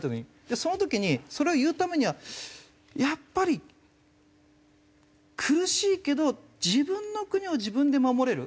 その時にそれを言うためにはやっぱり苦しいけど自分の国を自分で守れる。